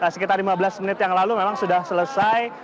sekitar lima belas menit yang lalu memang sudah selesai